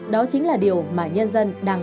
đó chính là điều mà nhân dân